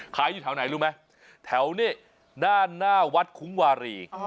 อยู่แถวไหนรู้ไหมแถวนี้ด้านหน้าวัดคุ้งวารี